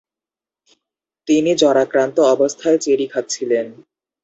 তিনি জ্বরাক্রান্ত অবস্থায় চেরি খাচ্ছিলেন।